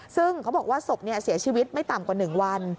ซึ่งเขาบอกว่าศพเสียชีวิตไม่ต่ำกว่า๑วัน